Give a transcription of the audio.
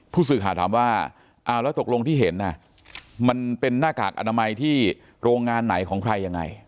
ผู้สื่อข่าวถามว่าเอาแล้วตกลงที่เห็นมันเป็นหน้ากากอนามัยที่โรงงานไหนของใครยังไง